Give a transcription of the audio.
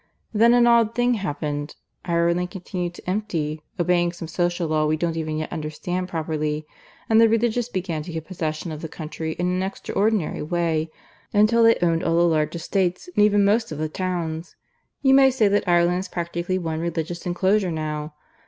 Then an odd thing happened. Ireland continued to empty, obeying some social law we don't even yet understand properly; and the Religious began to get possession of the country in an extraordinary way, until they owned all the large estates, and even most of the towns. You may say that Ireland is practically one Religious Enclosure now.